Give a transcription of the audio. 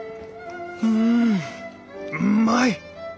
うんうまい！